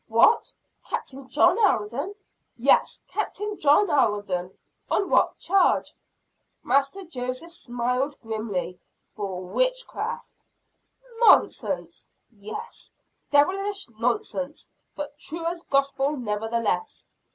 "What! Captain John Alden!" "Yes, Captain John Alden!" "On what charge?" Master Joseph smiled grimly, "For witchcraft!" "Nonsense!" "Yes, devilish nonsense! but true as gospel, nevertheless."